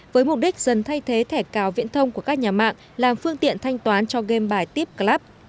với mục đích dần thay thế thẻ cào viễn thông của các nhà mạng làm phương tiện thanh toán cho game bài tipclub